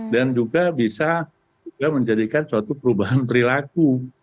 dan juga bisa juga menjadikan suatu perubahan perilaku